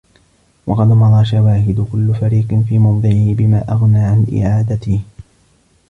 وَقَدْ مَضَى شَوَاهِدُ كُلِّ فَرِيقٍ فِي مَوْضِعِهِ بِمَا أَغْنَى عَنْ إعَادَتِهِ